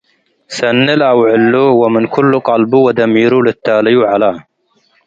ሰኒ ለአውዕሉ ወምን ክሉ ቀልቡ ወደሚሩ ልትታለዩ ዐለ ።